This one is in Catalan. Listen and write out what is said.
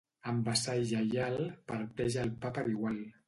Amb vassall lleial, parteix el pa per igual.